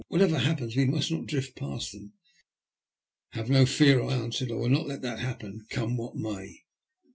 Whatever happens, we must not drift past them." '* Have no fear," I answered ;'* I will not let that happen, come what may."